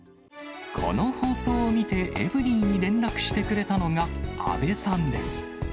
この放送を見て、エブリィに連絡してくれたのが阿部さんです。